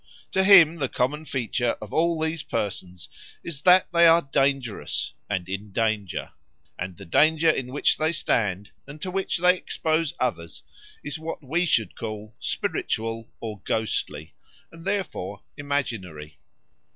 To him the common feature of all these persons is that they are dangerous and in danger, and the danger in which they stand and to which they expose others is what we should call spiritual or ghostly, and therefore imaginary.